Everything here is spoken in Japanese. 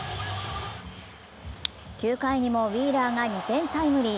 ９回にもウィーラーが２点タイムリー。